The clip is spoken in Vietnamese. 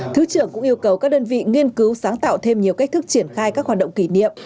thứ trưởng cũng yêu cầu các đơn vị nghiên cứu sáng tạo thêm nhiều cách thức triển khai các hoạt động kỷ niệm